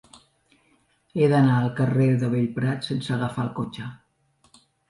He d'anar al carrer de Bellprat sense agafar el cotxe.